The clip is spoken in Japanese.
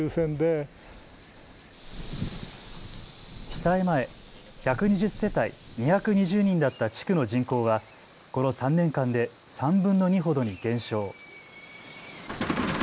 被災前、１２０世帯２２０人だった地区の人口はこの３年間で３分の２ほどに減少。